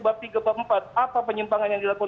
bab tiga bab empat apa penyimpangan yang dilakukan